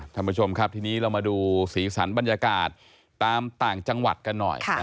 ท่านผู้ชมครับทีนี้เรามาดูสีสันบรรยากาศตามต่างจังหวัดกันหน่อย